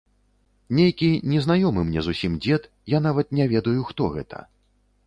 Нейкі незнаёмы мне зусім дзед, я нават не ведаю, хто гэта.